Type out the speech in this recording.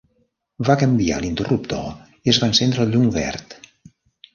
Va canviar l'interruptor i es va encendre el llum verd.